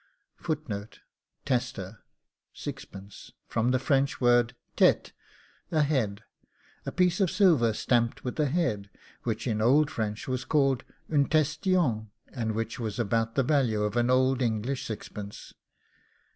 TESTER: sixpence; from the French word tête, a head a piece of silver stamped with a head, which in old French was called UN TESTION, and which was about the value of an old English sixpence.